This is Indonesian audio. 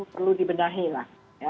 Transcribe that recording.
perlu dibenahi lah